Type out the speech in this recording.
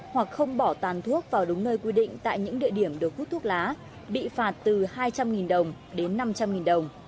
hoặc không bỏ tàn thuốc vào đúng nơi quy định tại những địa điểm được hút thuốc lá bị phạt từ hai trăm linh đồng đến năm trăm linh đồng